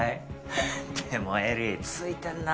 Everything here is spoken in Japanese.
でもエリついてんな。